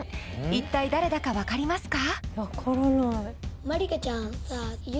一体誰だか分かりますか？